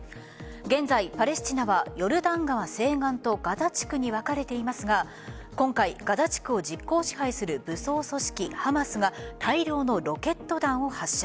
現在、パレスチナはヨルダン川西岸とガザ地区に分かれていますが今回、ガザ地区を実効支配する武装組織・ハマスが大量のロケット弾を発射。